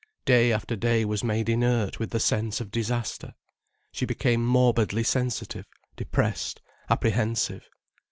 Day after day was made inert with a sense of disaster. She became morbidly sensitive, depressed, apprehensive.